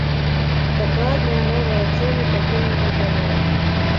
Дакладныя новыя цэны пакуль невядомыя.